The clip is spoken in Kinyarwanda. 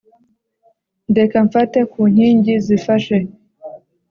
Ndeka mfate ku nkingi zifashe